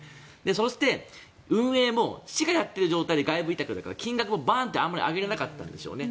そうして、運営も市がやっている状態で外部委託だから金額もバーンとあまり上げられなかったんでしょうね。